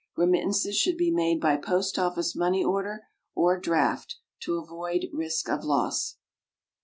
Remittances should be made by POST OFFICE MONEY ORDER or DRAFT, to avoid risk of loss.